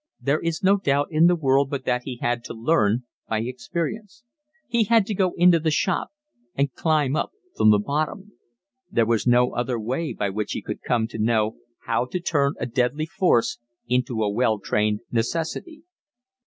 There is no doubt in the world but that he had to learn by experience. He had to go into the shop and climb up from the bottom. There was no other way by which he could come to know how to turn a deadly force into a well trained necessity.